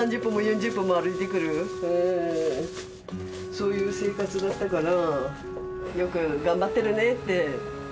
そういう生活だったから。